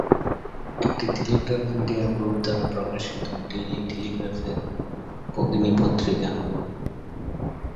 এটি Telegraph media group দ্বারা প্রকাশিত "ডেইলি টেলিগ্রাফের" ভগিনী পত্রিকা।